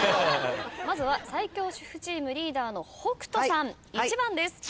まずは最強主婦チームリーダーの北斗さん１番です。